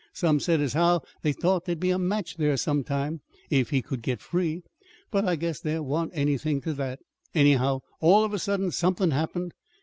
Some said as how they thought there'd be a match there, sometime, if he could get free. But I guess there wa'n't anythin' ter that. Anyhow, all of a sudden, somethin' happened.